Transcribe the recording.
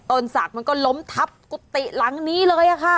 ศักดิ์มันก็ล้มทับกุฏิหลังนี้เลยค่ะ